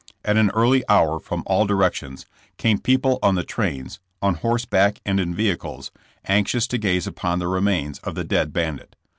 At an early hour from all directions came people on the trains, on horseback and in vehicles, anxious to gaze upon the remains of the dead bandit.